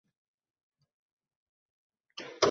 ularni muvaffaqiyat qozonishga moyil qilishimiz mumkin.